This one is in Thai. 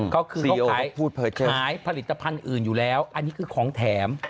ก็คือเขาขายผลิตภัณฑ์อื่นอยู่แล้วอันนี้คือของแถม